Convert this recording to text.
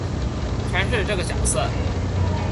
詮釋這個角色